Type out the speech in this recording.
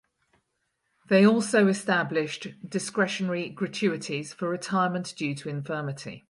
They also established discretionary gratuities for retirement due to infirmity.